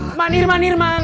irman irman irman